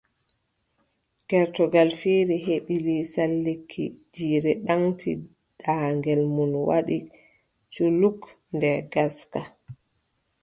Gertogal fiiri heɓi lisal lekki! Jiire ɓaŋti daagel muum waɗi culuk nder ngaska!